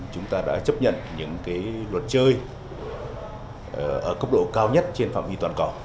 chúng ta đã chấp nhận những luật chơi ở cấp độ cao nhất trên phạm vi toàn cầu